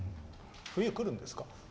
冬来るんですか？